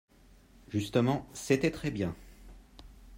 Justement, c’était très bien